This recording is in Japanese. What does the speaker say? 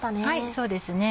そうですね。